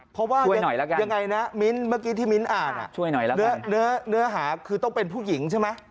เพราะว่ายังไงนะมิ้นเมื่อกี้ที่มิ้นอ่านเนื้อหาคือต้องเป็นผู้หญิงใช่ไหม